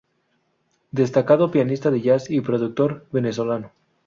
Destacado pianista de Jazz y productor Venezolano.